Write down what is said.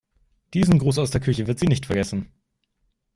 Diesen Gruß aus der Küche wird sie nicht vergessen.